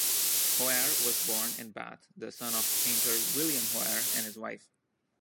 Hoare was born in Bath, the son of painter William Hoare and his wife.